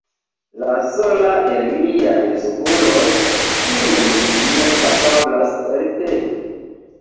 La sola el miaj subuloj, kiun mi ne kapablas elteni.